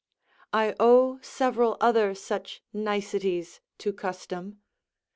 I owe several other such niceties to custom.